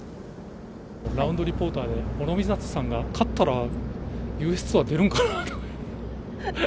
◆ラウンドリポーター諸見里さんが、勝ったら、ＵＳツアー出るんかなって。